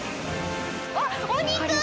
あっお肉！